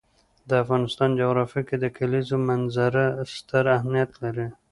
د افغانستان جغرافیه کې د کلیزو منظره ستر اهمیت لري.